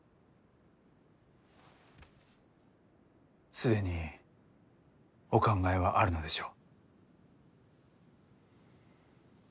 既にお考えはあるのでしょう？